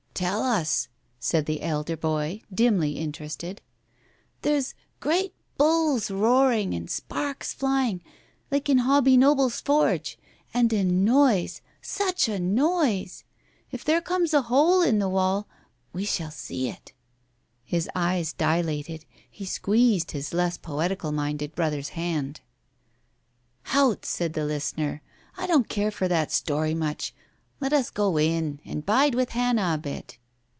"Tell us," said the elder boy, dimly interested. "There's great bulls roaring, and sparks flying, like in Hobbie Noble's forge, and a noise — such a noise ! If there comes a hole in the wall ; we shall see it." His eyes dilated; he squeezed his less poetical minded brother's hand. "Hout !" said the listener, "I don't care for that story much. Let us go in, and bide with Hannah a bit."